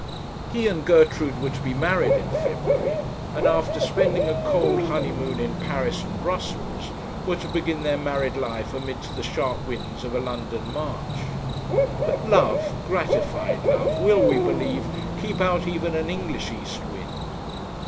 He and Gertrude were to be married in February, and after spending a cold honeymoon in Paris and Brussels, were to begin their married life amidst the sharp winds of a London March. But love, gratified love, will, we believe, keep out even an English east wind.